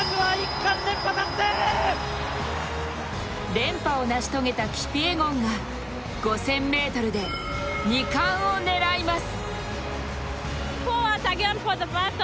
連覇を成し遂げたキピエゴンが５０００ｍで２冠を狙います。